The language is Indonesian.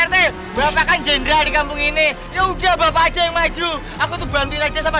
rt bapaknya jenderal di kampung ini ya udah bapaknya yang maju aku tuh bantu aja sama